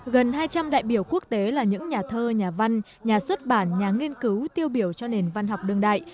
gần hai trăm linh đại biểu quốc tế là những nhà thơ nhà văn nhà xuất bản nhà nghiên cứu tiêu biểu cho nền văn học đương đại